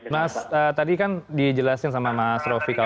mas tadi kan dijelasin sama mas rofi